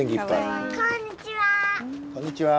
こんにちは。